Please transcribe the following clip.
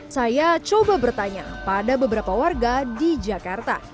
saya coba bertanya pada beberapa warga di jakarta